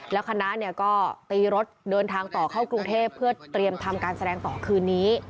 แล้วคณะก็ตีรถเดินทางต่อเข้ากรุงเทพเพื่อเตรียมทำการแสดงต่อคืนนี้